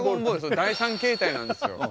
第３形態なんですよ。